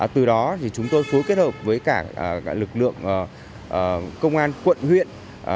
từ đó chúng tôi phối kết hợp với cả lực lượng công an quận huyện